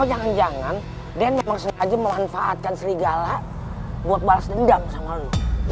oh jangan jangan den memang sengaja memanfaatkan serigala buat balas dendam sama lo